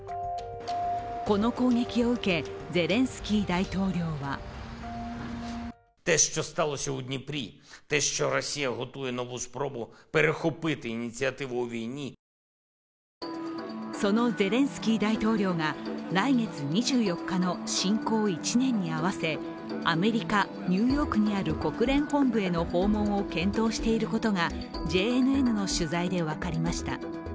この攻撃を受け、ゼレンスキー大統領はそのゼレンスキー大統領が来月２４日の侵攻１年に合わせアメリカ・ニューヨークにある国連本部への訪問を検討していることがＪＮＮの取材で分かりました。